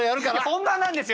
本番なんですよ！